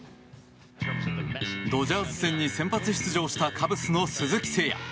ドジャース戦に先発出場したカブスの鈴木誠也。